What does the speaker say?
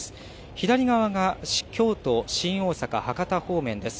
左側が京都、新大阪、博多方面です。